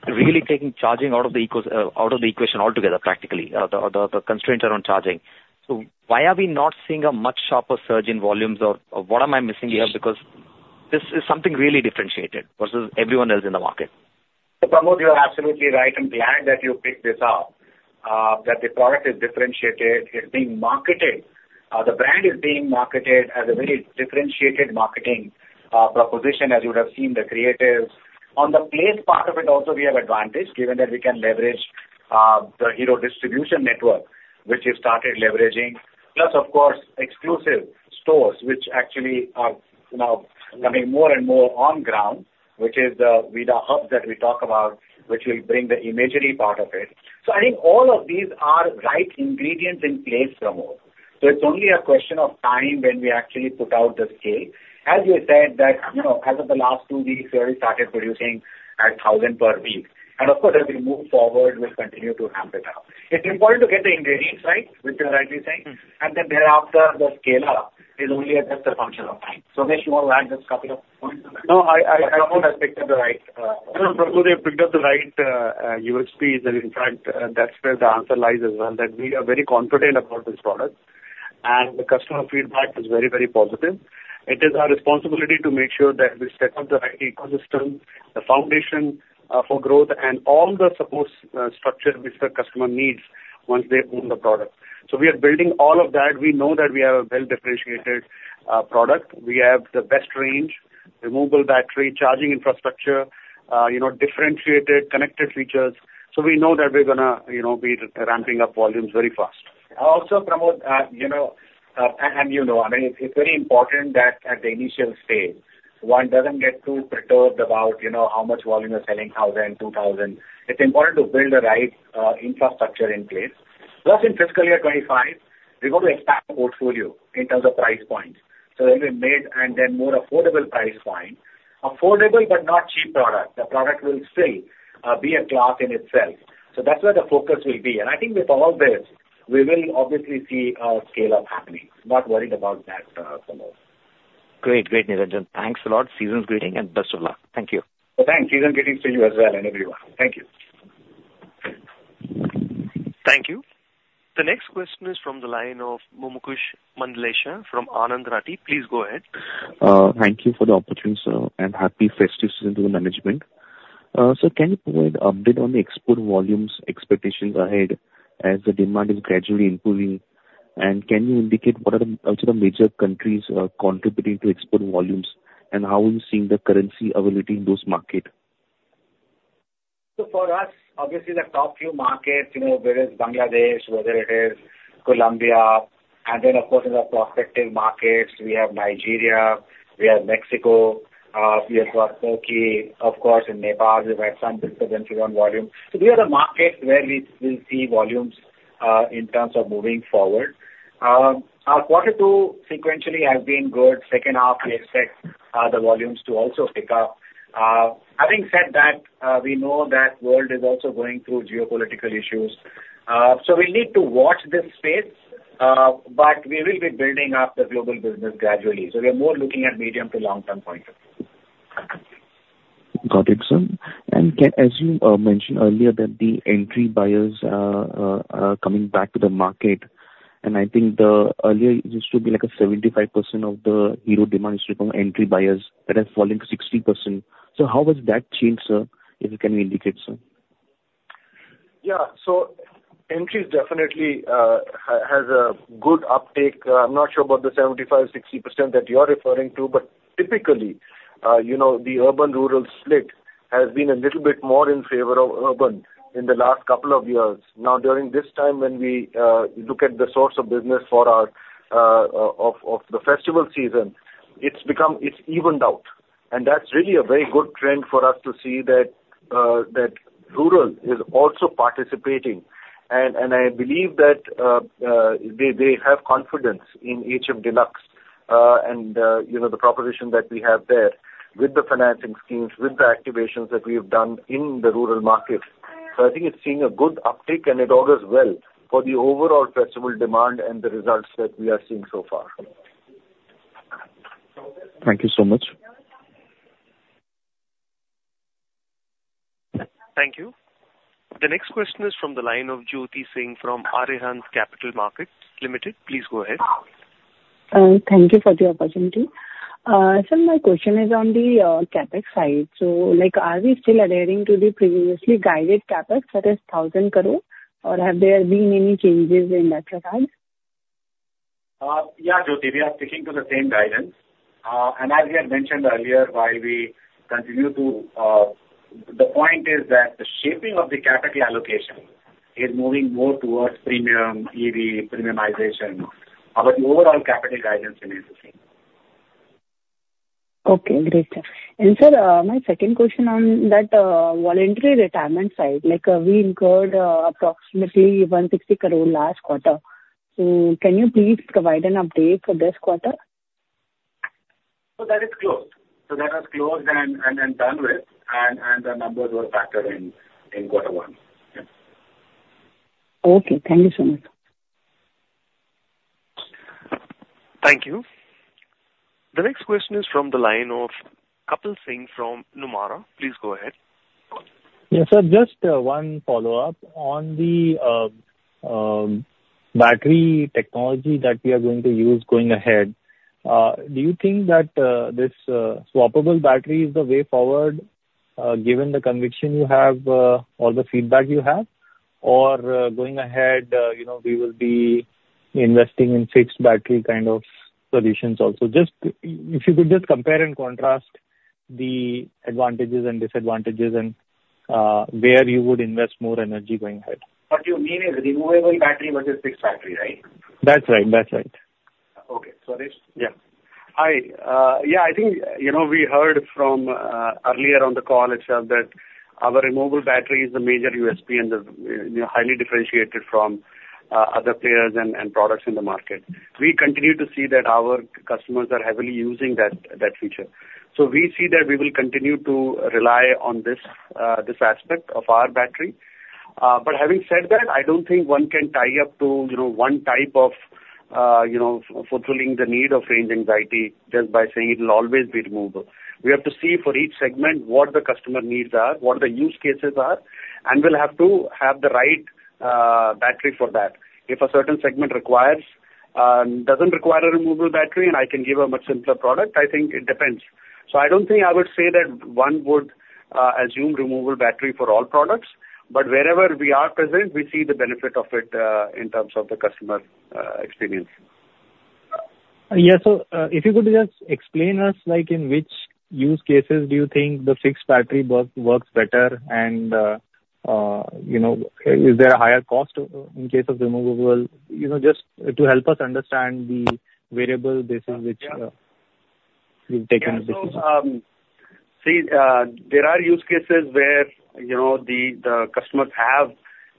really taking charging out of the equation altogether, practically. The constraints are on charging. So why are we not seeing a much sharper surge in volumes or what am I missing here? Yes. Because this is something really differentiated versus everyone else in the market. So, Pramod, you are absolutely right. I'm glad that you picked this up, that the product is differentiated. It's being marketed, the brand is being marketed as a very differentiated marketing proposition, as you would have seen the creatives. On the place part of it also, we have advantage, given that we can leverage, the Hero distribution network, which we've started leveraging. Plus, of course, exclusive stores, which actually are now coming more and more on ground, which is the, with the hubs that we talk about, which will bring the imagery part of it. So I think all of these are right ingredients in place, Pramod. So it's only a question of time when we actually put out the scale. As you said, that, you know, as of the last two weeks, we already started producing at 1,000 per week. Of course, as we move forward, we'll continue to ramp it up. It's important to get the ingredients right, which you're rightly saying, and then thereafter, the scale up is only just a function of time. So Swadesh, you want to add just couple of points? No, I, Pramod has picked up the right, Pramod, you picked up the right, USPs, and in fact, that's where the answer lies as well, that we are very confident about this product, and the customer feedback is very, very positive. It is our responsibility to make sure that we set up the right ecosystem, the foundation, for growth and all the support, structure which the customer needs once they own the product. So we are building all of that. We know that we have a well-differentiated, product. We have the best range, removable battery, charging infrastructure, you know, differentiated, connected features. So we know that we're gonna, you know, be ramping up volumes very fast. Also, Pramod, you know, and you know, I mean, it's, it's very important that at the initial stage, one doesn't get too perturbed about, you know, how much volume you're selling, 1,000, 2,000. It's important to build the right, infrastructure in place. Plus, in fiscal year 2025, we're going to expand the portfolio in terms of price points. So there'll be mid and then more affordable price point. Affordable, but not cheap product. The product will still, be a class in itself. So that's where the focus will be. And I think with all this, we will obviously see a scale-up happening. Not worried about that, Pramod. Great. Great, Niranjan. Thanks a lot. Season's greeting, and best of luck. Thank you. Thanks. Season's greetings to you as well, and everyone. Thank you. Thank you. The next question is from the line of Mumukshu Mandlesha from Anand Rathi. Please go ahead. Thank you for the opportunity, sir, and happy festivals to the management. Sir, can you provide update on the export volumes expectations ahead as the demand is gradually improving? And can you indicate what are the, sort of major countries, contributing to export volumes, and how are you seeing the currency availability in those market? So for us, obviously, the top few markets, you know, whether it's Bangladesh, whether it is Colombia, and then of course, in the prospective markets, we have Nigeria, we have Mexico, we have Turkey. Of course, in Nepal, we have some significant volume. So these are the markets where we will see volumes, in terms of moving forward. Our quarter two sequentially has been good. Second half, we expect, the volumes to also pick up. Having said that, we know that world is also going through geopolitical issues. So we'll need to watch this space, but we will be building up the global business gradually. So we are more looking at medium to long term point of view. Got it, sir. And as you mentioned earlier, that the entry buyers are coming back to the market, and I think the earlier it used to be like a 75% of the Hero demand is from entry buyers that has fallen to 60%. So how has that changed, sir? If you can indicate, sir. Yeah. So entry is definitely has a good uptake. I'm not sure about the 75-60% that you are referring to, but typically, you know, the urban/rural split has been a little bit more in favor of urban in the last couple of years. Now, during this time, when we look at the source of business for our of the festival season, it's become. It's evened out, and that's really a very good trend for us to see that rural is also participating. And I believe that they have confidence in HF Deluxe, and you know, the proposition that we have there with the financing schemes, with the activations that we have done in the rural markets. So I think it's seeing a good uptick, and it augurs well for the overall festival demand and the results that we are seeing so far. Thank you so much. Thank you. The next question is from the line of Jyoti Singh from Arihant Capital Markets Limited. Please go ahead. Thank you for the opportunity. Sir, my question is on the CapEx side. So, like, are we still adhering to the previously guided CapEx, that is 1,000 crore, or have there been any changes in that regard? Yeah, Jyoti, we are sticking to the same guidance. And as we had mentioned earlier, while we continue to, the point is that the shaping of the capital allocation is moving more towards premium, EV, premiumization, but the overall capital guidance remains the same. Okay, great, sir. And sir, my second question on that, voluntary retirement side, like, we incurred, approximately 160 crore last quarter. So can you please provide an update for this quarter? So that is closed. So that was closed and done with, and the numbers were factored in quarter one. Yeah. Okay. Thank you so much. Thank you. The next question is from the line of Kapil Singh from Nomura. Please go ahead. Yeah, sir, just one follow-up on the battery technology that we are going to use going ahead. Do you think that this swappable battery is the way forward, given the conviction you have or the feedback you have? Or, going ahead, you know, we will be investing in fixed battery kind of solutions also. Just, if you could just compare and contrast the advantages and disadvantages and where you would invest more energy going ahead. What you mean is removable battery versus fixed battery, right? That's right. That's right. Okay. Swadesh? Yeah. Yeah, I think, you know, we heard from earlier on the call itself that our removable battery is a major USP, and we are highly differentiated from other players and products in the market. We continue to see that our customers are heavily using that feature. So we see that we will continue to rely on this aspect of our battery. But having said that, I don't think one can tie up to, you know, one type of fulfilling the need of range anxiety just by saying it'll always be removable. We have to see for each segment what the customer needs are, what the use cases are, and we'll have to have the right battery for that. If a certain segment requires, doesn't require a removable battery, and I can give a much simpler product, I think it depends. So I don't think I would say that one would assume removable battery for all products, but wherever we are present, we see the benefit of it in terms of the customer experience. Yes, so, if you could just explain us, like, in which use cases do you think the fixed battery work, works better? And, you know, is there a higher cost in case of removable? You know, just to help us understand the variable basis which, you've taken the decision. Yeah. So, see, there are use cases where, you know, the customers have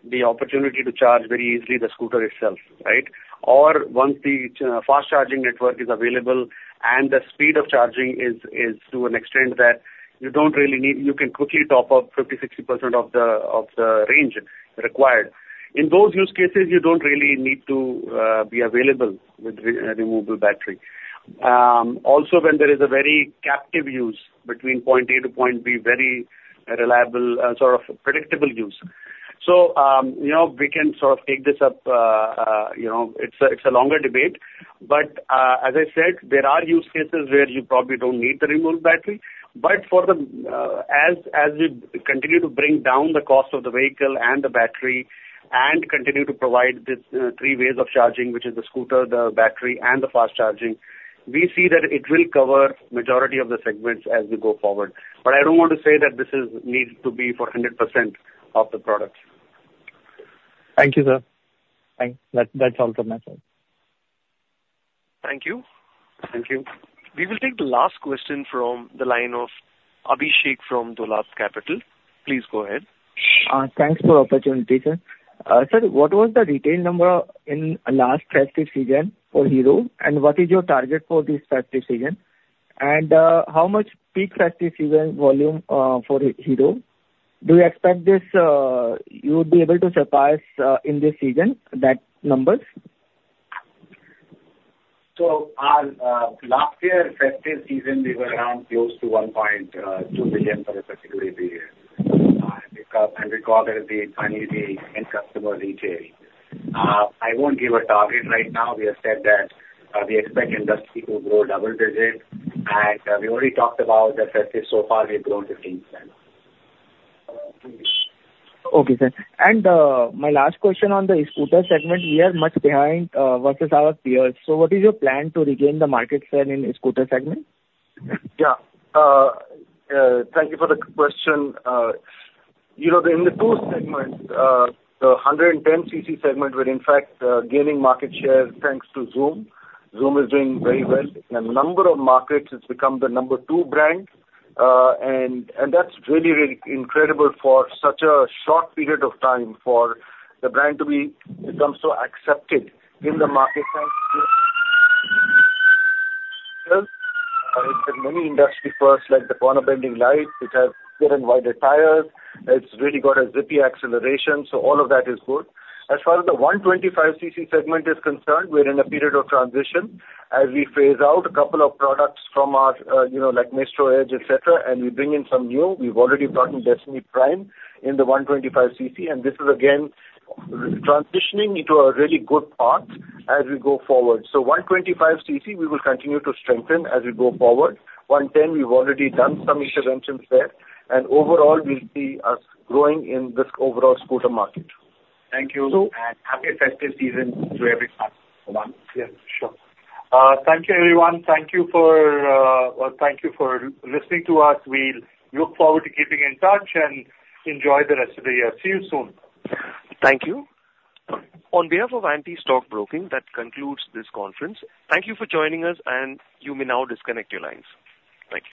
the opportunity to charge very easily the scooter itself, right? Or once the fast charging network is available and the speed of charging is to an extent that you don't really need... You can quickly top up 50%-60% of the range required. In those use cases, you don't really need to be available with removable battery. Also, when there is a very captive use between point A to point B, very reliable, sort of predictable use. So, you know, we can sort of take this up, you know, it's a longer debate, but, as I said, there are use cases where you probably don't need the removable battery. But for the, as we continue to bring down the cost of the vehicle and the battery, and continue to provide this, three ways of charging, which is the scooter, the battery, and the fast charging, we see that it will cover majority of the segments as we go forward. But I don't want to say that this is needs to be for 100% of the products. Thank you, sir. Thank you. That, that's all from my side. Thank you. Thank you. We will take the last question from the line of Abhishek from Dolat Capital. Please go ahead. Thanks for the opportunity, sir. Sir, what was the retail number in last festive season for Hero, and what is your target for this festive season? And, how much peak festive season volume for Hero? Do you expect this, you would be able to surpass in this season, that numbers? So our last year festive season, we were around close to 1.2 billion for the particular year. And because, and recall that is the only the end customer retail. I won't give a target right now. We have said that we expect industry to grow double digits, and we already talked about the festive. So far, we've grown 15%. Okay, sir. And, my last question on the scooter segment. We are much behind versus our peers. So what is your plan to regain the market share in scooter segment? Yeah. Thank you for the question. You know, in the two segments, the 110 cc segment, we're in fact gaining market share thanks to Xoom. Xoom is doing very well. In a number of markets, it's become the number two brand. And that's really, really incredible for such a short period of time for the brand to become so accepted in the marketplace. It's a mini industry first, like the corner bending lights. It has good and wider tires. It's really got a zippy acceleration, so all of that is good. As far as the 125 cc segment is concerned, we're in a period of transition as we phase out a couple of products from our, you know, like Maestro Edge, et cetera, and we bring in some new. We've already brought in Destini Prime in the 125 cc, and this is again transitioning into a really good path as we go forward. So 125 cc, we will continue to strengthen as we go forward. 110, we've already done some interventions there, and overall, we'll see us growing in this overall scooter market. Thank you. Happy festive season to everyone. Yes, sure. Thank you, everyone. Thank you for, well, thank you for listening to us. We look forward to keeping in touch, and enjoy the rest of the year. See you soon. Thank you. On behalf of Antique Stock Broking, that concludes this conference. Thank you for joining us, and you may now disconnect your lines. Thank you.